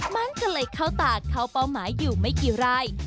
มันก็เลยเข้าตาเข้าเป้าหมายอยู่ไม่กี่ไร่